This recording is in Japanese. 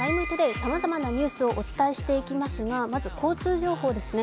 さまざまなニュースをお伝えしていきますがまず交通情報ですね。